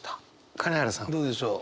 金原さんどうでしょう？